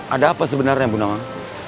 ada apa sebenarnya bunawang